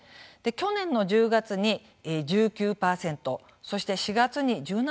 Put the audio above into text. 去年の１０月に１９％そして４月に１７％